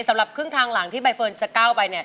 สำหรับครึ่งทางหลังที่ใบเฟิร์นจะก้าวไปเนี่ย